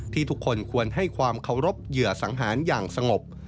ทุกคนควรให้ความเคารพเหยื่อสังหารอย่างสงบ